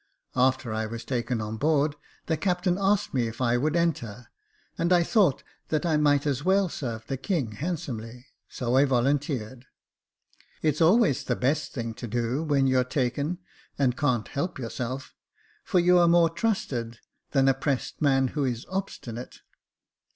After I was taken on board, the captain asked me if I would enter, and I thought that I might as well sarve the king handsomely, so I volunteered. It's always the best thing to do, when you're taken, and can't help yourself, for you are more trusted than a pressed man who is obstinate.